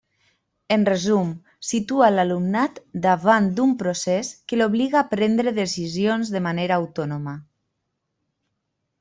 En resum, situa l'alumnat davant d'un procés que l'obliga a prendre decisions de manera autònoma.